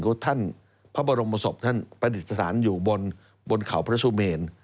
ก็ท่านพระบรมศพท่านประดิษฐานอยู่บนเขาพระสุเมน